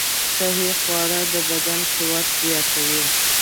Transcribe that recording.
صحي خواړه د بدن قوت زیاتوي.